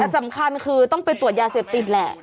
แต่สำคัญคือต้องไปตรวจยาเสพติดแหละ